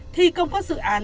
thi công các dự án